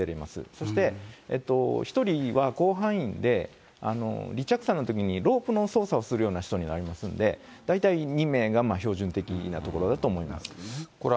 そして、１人は甲板員で、離着鎖のときにロープの操作をするような人になりますので、大体２名が標準的な所だと思います。